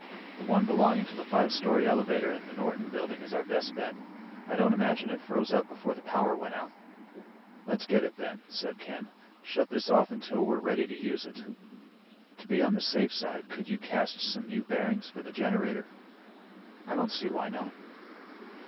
The one belonging to the 5 story elevator in the Norton Building is our best bet. I don't imagine it froze up before the power went out." "Let's get it then," said Ken. "Shut this off until we're ready to use it. To be on the safe side, could you cast some new bearings for the generator?" "I don't see why not."